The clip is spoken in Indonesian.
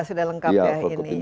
sudah lengkap ya ini